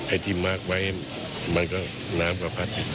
ไอ้ที่มาร์คไว้มันก็น้ำกระพัด